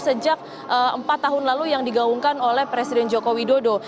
sejak empat tahun lalu yang digaungkan oleh presiden joko widodo